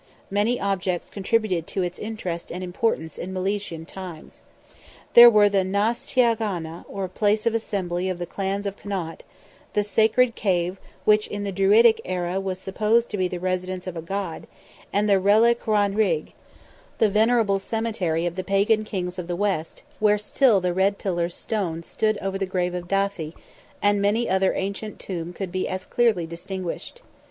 Many objects contributed to its interest and importance in Milesian times. There were the Naasteaghna, or place of assembly of the clans of Connaught, "the Sacred Cave," which in the Druidic era was supposed to be the residence of a god, and the Relig na Righ—the venerable cemetery of the Pagan kings of the West, where still the red pillar stone stood over the grave of Dathy, and many another ancient tomb could be as clearly distinguished.